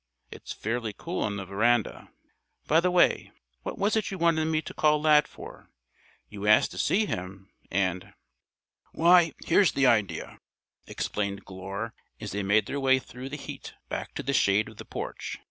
It's fairly cool on the veranda. By the way, what was it you wanted me to call Lad for? You asked to see him. And " "Why, here's the idea," explained Glure, as they made their way through the heat back to the shade of the porch.